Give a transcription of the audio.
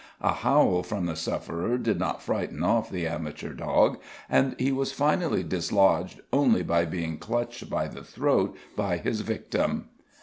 A howl from the sufferer did not frighten off the amateur dog, and he was finally dislodged only by being clutched by the throat by his victim.